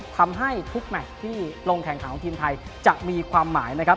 ทำให้ทุกแมทที่ลงแข่งขันของทีมไทยจะมีความหมายนะครับ